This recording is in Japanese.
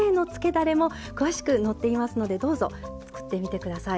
だれも詳しく載っていますのでどうぞ作ってみて下さい。